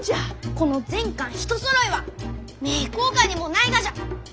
この全巻一そろいは名教館にもないがじゃ！